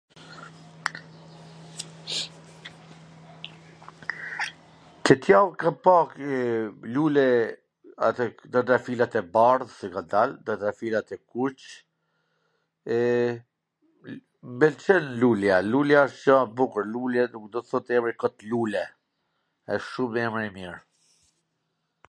Tw gjall kam pa lule, ata trwndafilat e bardh qw kan dal, trwndafilat e kuq, e m pwlqen lulja, lulja asht gja e bukur, lule nuk do t thot emri kot, lule, wsht shum emwr i mir,